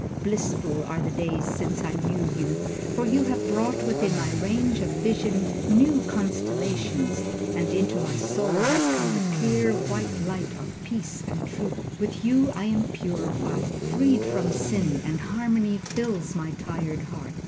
Blissful are the days since I knew you, for you have brought within my range of vision new constellations, and into my soul has come the clear, white light of peace and truth. With you I am purified, freed from sin, and harmony fills my tired heart.